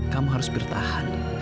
kamu harus bertahan